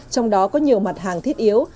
trong đó có nhiều mặt hàng thiết yếu